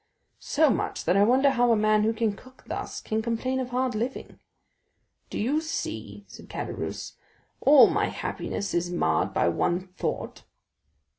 "So much that I wonder how a man who can cook thus can complain of hard living." "Do you see," said Caderousse, "all my happiness is marred by one thought?"